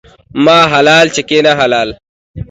ما حلال ، چکي نه حلال.